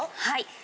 はい。